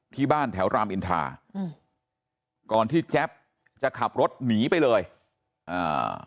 ที่บ้านแถวรามอินทราอืมก่อนที่แจ๊บจะขับรถหนีไปเลยอ่า